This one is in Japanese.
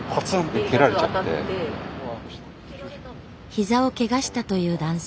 膝をケガしたという男性。